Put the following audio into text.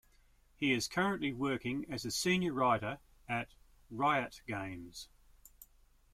He is currently working as a Senior Writer at Riot Games.